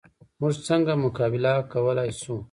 موږ څنګه مقابله کولی شو؟